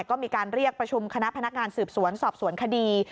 ก็มีการเรียกประชุมคณะพนักงานสืบสวนสอบสวนคดี